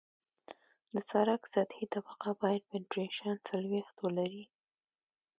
د سرک سطحي طبقه باید پینټریشن څلوېښت ولري